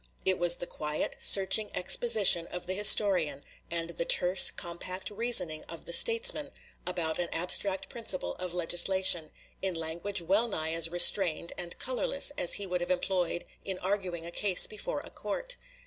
It was the quiet, searching exposition of the historian, and the terse, compact reasoning of the statesman, about an abstract principle of legislation, in language well nigh as restrained and colorless as he would have employed in arguing a case before a court.